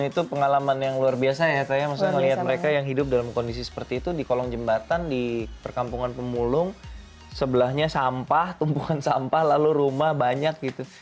dan itu pengalaman yang luar biasa ya kayaknya misalnya melihat mereka yang hidup dalam kondisi seperti itu di kolong jembatan di perkampungan pemulung sebelahnya sampah tumpukan sampah lalu rumah banyak gitu